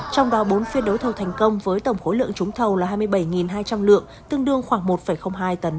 trong đó bốn phiên đấu thầu thành công với tổng khối lượng trúng thầu là hai mươi bảy hai trăm linh lượng tương đương khoảng một hai tấn